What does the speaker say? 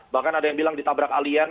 bahkan ada yang bilang ditabrak alian